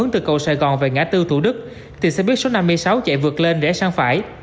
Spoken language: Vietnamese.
từ cầu sài gòn về ngã tư thủ đức thì xe buýt số năm mươi sáu chạy vượt lên rẽ sang phải